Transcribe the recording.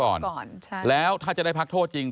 ต้อง๑ใน๓ก่อนแล้วถ้าจะได้พักโทษจริง